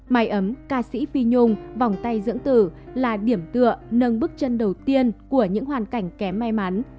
máy ấm ca sĩ phi nhung vòng tay dưỡng tử là điểm tựa nâng bước chân đầu tiên của những hoàn cảnh kém may mắn